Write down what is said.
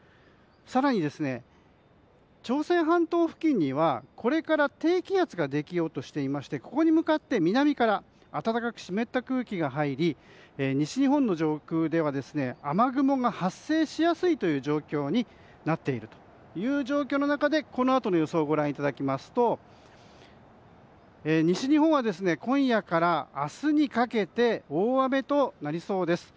更に、朝鮮半島付近にはこれから低気圧ができようとしていましてここに向かって南から暖かく湿った空気が入り西日本の上空では雨雲が発生しやすい状況になっているという中でこのあとの予想をご覧いただきますと西日本は今夜から明日にかけて大雨となりそうです。